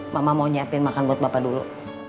mama mau nyiapin makan buat bapak dulu